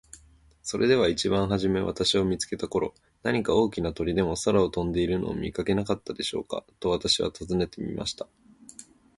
「それでは一番はじめ私を見つけた頃、何か大きな鳥でも空を飛んでいるのを見かけなかったでしょうか。」と私は尋ねてみました。